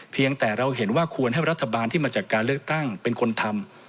เพียงแต่เราเห็นว่าควรให้รัฐบาลที่มาจากการเลือกตั้งเป็นคนทำ